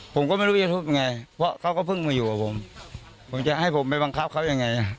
ผมก็ไม่รู้จะทุบยังไงเพราะเขาก็เพิ่งมาอยู่กับผมผมจะให้ผมไปบังคับเขายังไง